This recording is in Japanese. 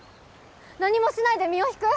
何もしないで身を引く？